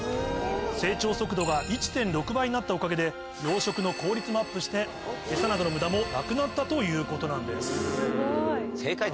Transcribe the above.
成長速度が１．６倍になったおかげで養殖の効率もアップして餌などの無駄もなくなったということなんです。